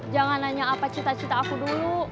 jangan nanya apa cita cita aku dulu